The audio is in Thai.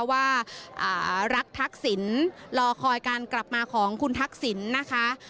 ว่ารักทักษิณรอคอยการกลับมาของคุณทักษิณนะคะ